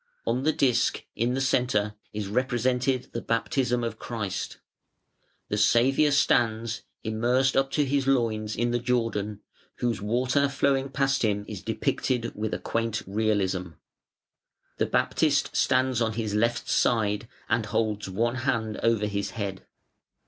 On the disk, in the centre, is represented the Baptism of Christ. The Saviour stands, immersed up to His loins, in the Jordan, whose water flowing past Him is depicted with a quaint realism. The Baptist stands on His left side and holds one hand over His head.